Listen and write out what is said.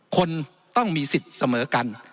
คนต้องมีสิทธิ์เสมอกัน